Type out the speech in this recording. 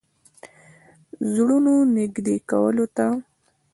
زړونو نېږدې کولو ته.